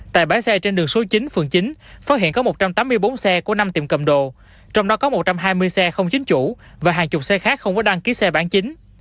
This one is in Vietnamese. tại bãi xe trên đường số chín phường chín phát hiện có một trăm tám mươi bốn xe của năm tiệm cầm đồ trong đó có một trăm hai mươi xe không chính chủ và hàng chục xe khác không có đăng ký xe bán chính